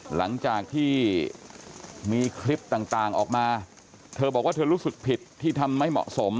หลังจากที่มีคลิปต่างออกมาเธอบอกว่าเธอรู้สึกผิดที่ทำไม่เหมาะสม